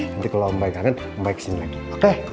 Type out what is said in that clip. nanti kalo om baik kangen om baik kesini lagi oke